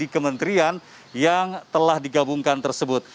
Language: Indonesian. kementerian yang telah digabungkan tersebut